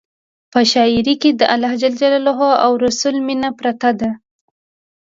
په شاعرۍ کې د الله او رسول مینه پرته ده.